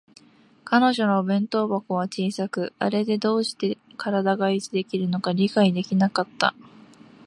彼女のお弁当箱は小さく、あれでどうして身体が維持できるのか理解できなかった